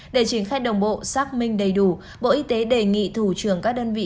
để triển khai đồng bộ xác minh đầy đủ bộ y tế đề nghị thủ trưởng các đơn vị